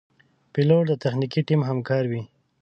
پیلوټ د تخنیکي ټیم همکار وي.